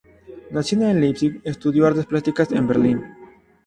Nacida en Leipzig, estudió artes plásticas en Berlín.